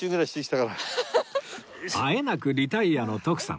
あえなくリタイアの徳さん